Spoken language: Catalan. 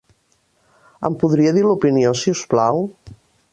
Em podria dir l'opinió, si us plau?